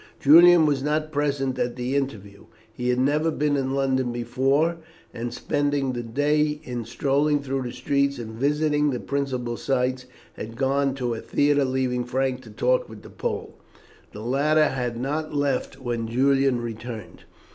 Julian was not present at the interview. He had never been in London before, and after spending the day in strolling through the streets and visiting the principal sights, had gone to a theatre, leaving Frank to talk with the Pole. The latter had not left when Julian returned.